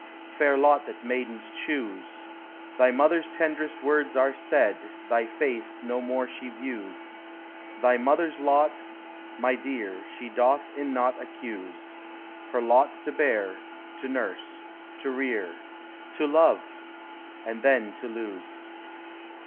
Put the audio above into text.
Fair lot that maidens choose, Thy mother's tenderest words are said, Thy face no more she views; Thy mother's lot, my dear, She doth in naught accuse; Her lot to bear, to nurse, to rear, To love — and then to lose.